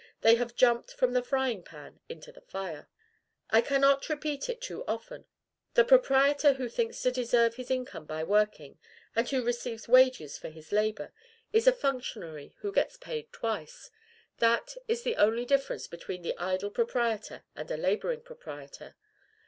They have jumped from the frying pan into the fire. I cannot repeat it too often: the proprietor who thinks to deserve his income by working, and who receives wages for his labor, is a functionary who gets paid twice; that is the only difference between an idle proprietor and a laboring proprietor.